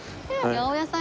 八百屋さん。